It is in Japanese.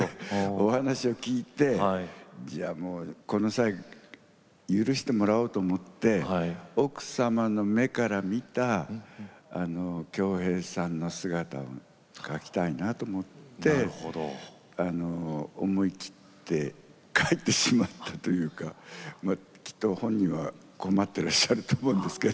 お話を聞いてこの際許してもらおうと思って奥様の目から見た京平さんの姿を描きたいなと思って思い切って描いてしまったというか本人は困っていらっしゃると思いますけど。